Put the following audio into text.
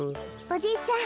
おじいちゃん